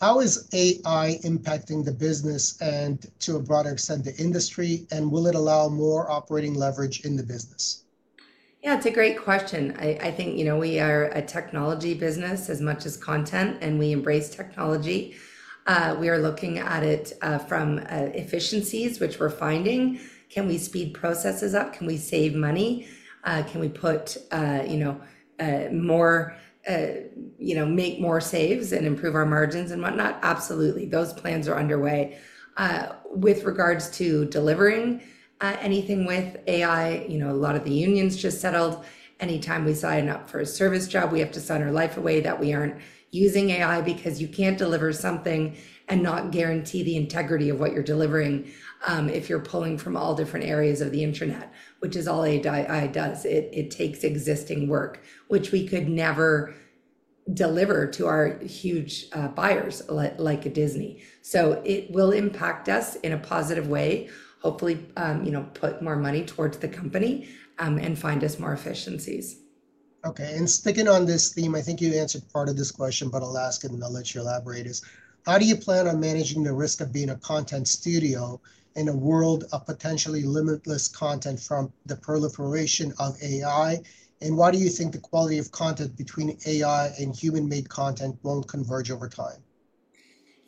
How is AI impacting the business and, to a broader extent, the industry, and will it allow more operating leverage in the business? Yeah, it's a great question. I think we are a technology business as much as content, and we embrace technology. We are looking at it from efficiencies, which we're finding. Can we speed processes up? Can we save money? Can we make more saves and improve our margins and whatnot? Absolutely. Those plans are underway. With regards to delivering anything with AI, a lot of the unions just settled. Anytime we sign up for a service job, we have to sign our life away that we aren't using AI because you can't deliver something and not guarantee the integrity of what you're delivering if you're pulling from all different areas of the internet, which is all AI does. It takes existing work, which we could never deliver to our huge buyers like Disney. So it will impact us in a positive way, hopefully put more money towards the company and find us more efficiencies. Okay. And sticking on this theme, I think you answered part of this question, but I'll ask it, and I'll let you elaborate. Is how do you plan on managing the risk of being a content studio in a world of potentially limitless content from the proliferation of AI? And why do you think the quality of content between AI and human-made content won't converge over time?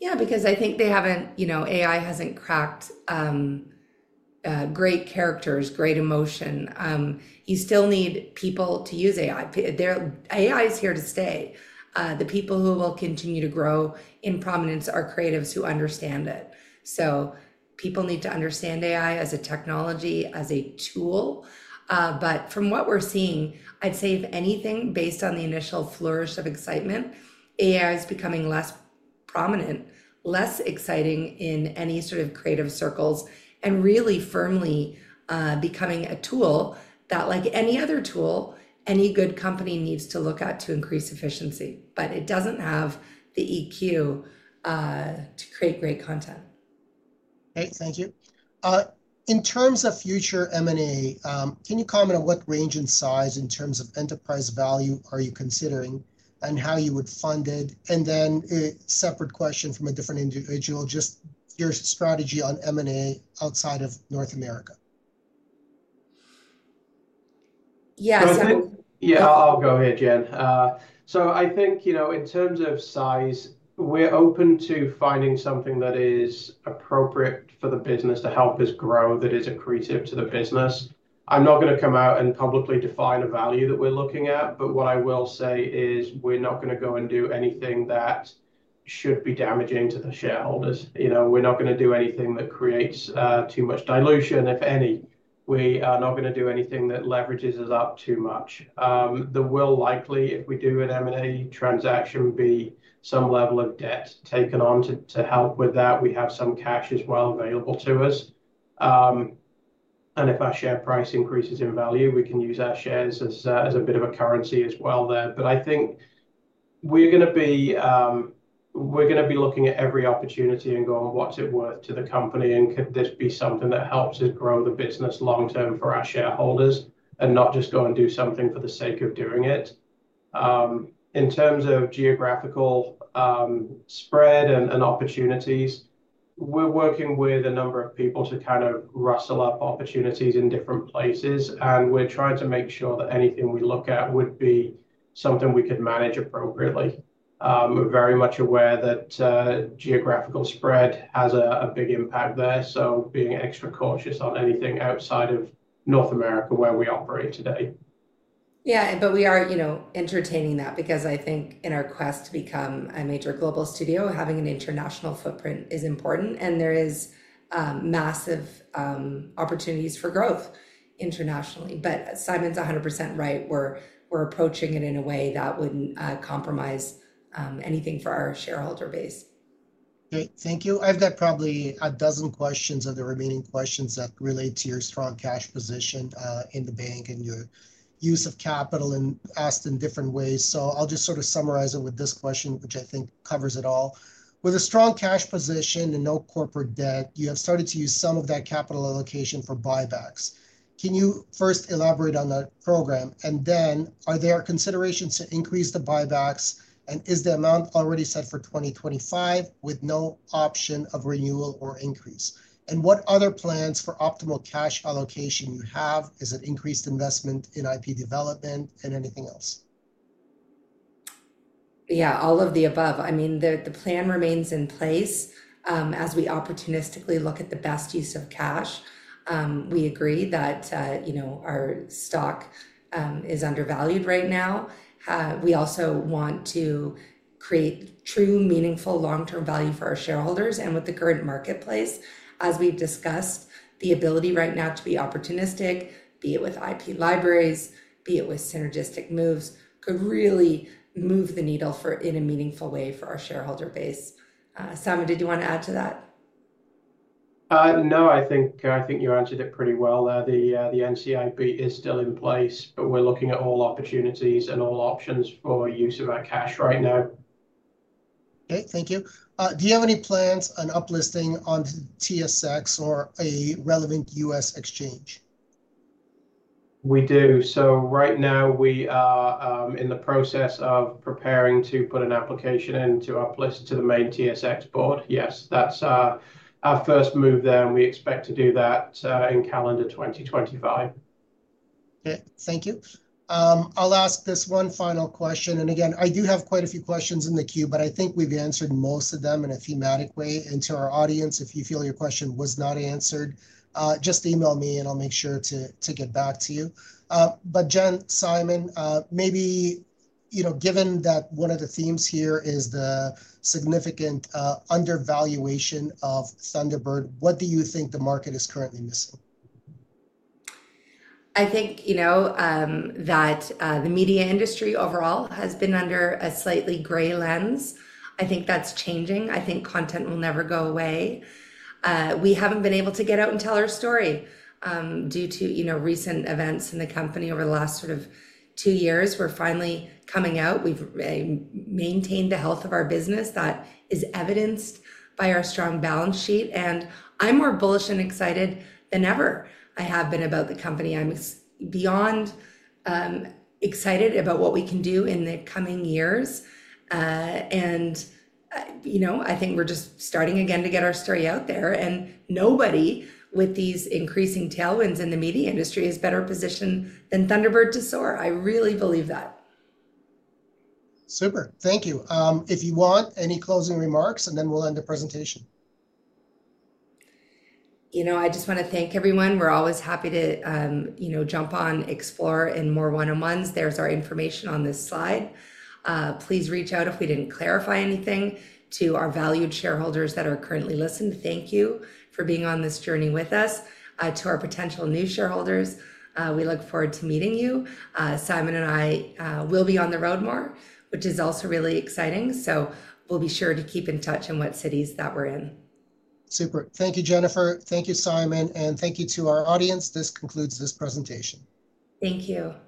Yeah, because I think AI hasn't cracked great characters, great emotion. You still need people to use AI. AI is here to stay. The people who will continue to grow in prominence are creatives who understand it. So people need to understand AI as a technology, as a tool. But from what we're seeing, I'd say if anything, based on the initial flourish of excitement, AI is becoming less prominent, less exciting in any sort of creative circles, and really firmly becoming a tool that, like any other tool, any good company needs to look at to increase efficiency. But it doesn't have the EQ to create great content. Okay. Thank you. In terms of future M&A, can you comment on what range and size in terms of enterprise value are you considering and how you would fund it? And then a separate question from a different individual, just your strategy on M&A outside of North America. Yeah. Yeah. I'll go ahead, Jen. So I think in terms of size, we're open to finding something that is appropriate for the business to help us grow that is accretive to the business. I'm not going to come out and publicly define a value that we're looking at. But what I will say is we're not going to go and do anything that should be damaging to the shareholders. We're not going to do anything that creates too much dilution, if any. We are not going to do anything that leverages us up too much. There will likely, if we do an M&A transaction, be some level of debt taken on to help with that. We have some cash as well available to us. And if our share price increases in value, we can use our shares as a bit of a currency as well there. But I think we're going to be looking at every opportunity and going, "What's it worth to the company?" And could this be something that helps us grow the business long-term for our shareholders and not just go and do something for the sake of doing it? In terms of geographical spread and opportunities, we're working with a number of people to kind of rustle up opportunities in different places. And we're trying to make sure that anything we look at would be something we could manage appropriately. We're very much aware that geographical spread has a big impact there. So being extra cautious on anything outside of North America where we operate today. Yeah. But we are entertaining that because I think in our quest to become a major global studio, having an international footprint is important. And there are massive opportunities for growth internationally. But Simon's 100% right. We're approaching it in a way that wouldn't compromise anything for our shareholder base. Okay. Thank you. I've got probably a dozen questions of the remaining questions that relate to your strong cash position in the bank and your use of capital and asked in different ways. So I'll just sort of summarize it with this question, which I think covers it all. With a strong cash position and no corporate debt, you have started to use some of that capital allocation for buybacks. Can you first elaborate on the program? And then are there considerations to increase the buybacks? And is the amount already set for 2025 with no option of renewal or increase? And what other plans for optimal cash allocation you have? Is it increased investment in IP development and anything else? Yeah. All of the above. I mean, the plan remains in place as we opportunistically look at the best use of cash. We agree that our stock is undervalued right now. We also want to create true, meaningful long-term value for our shareholders and with the current marketplace. As we've discussed, the ability right now to be opportunistic, be it with IP libraries, be it with synergistic moves, could really move the needle in a meaningful way for our shareholder base. Simon, did you want to add to that? No. I think you answered it pretty well. The NCIB is still in place, but we're looking at all opportunities and all options for use of our cash right now. Okay. Thank you. Do you have any plans on uplisting on TSX or a relevant U.S. exchange? We do. So right now, we are in the process of preparing to put an application in to uplist to the main TSX board. Yes. That's our first move there. And we expect to do that in calendar 2025. Okay. Thank you. I'll ask this one final question. And again, I do have quite a few questions in the queue, but I think we've answered most of them in a thematic way. And to our audience, if you feel your question was not answered, just email me and I'll make sure to get back to you. But Jen, Simon, maybe given that one of the themes here is the significant undervaluation of Thunderbird, what do you think the market is currently missing? I think that the media industry overall has been under a slightly gray lens. I think that's changing. I think content will never go away. We haven't been able to get out and tell our story due to recent events in the company over the last sort of two years. We're finally coming out. We've maintained the health of our business. That is evidenced by our strong balance sheet, and I'm more bullish and excited than ever I have been about the company. I'm beyond excited about what we can do in the coming years, and I think we're just starting again to get our story out there, and nobody with these increasing tailwinds in the media industry is better positioned than Thunderbird to soar. I really believe that. Super. Thank you. If you want any closing remarks, and then we'll end the presentation. I just want to thank everyone. We're always happy to jump on, explore in more one-on-ones. There's our information on this slide. Please reach out if we didn't clarify anything to our valued shareholders that are currently listening. Thank you for being on this journey with us. To our potential new shareholders, we look forward to meeting you. Simon and I will be on the road more, which is also really exciting. So we'll be sure to keep in touch in what cities that we're in. Super. Thank you, Jennifer. Thank you, Simon. And thank you to our audience. This concludes this presentation. Thank you.